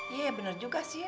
iya bener juga sih